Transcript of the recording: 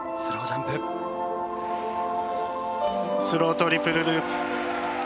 スロートリプルループ。